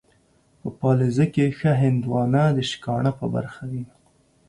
په پاليزه کې ښه هندوانه ، د شکاڼه په برخه وي.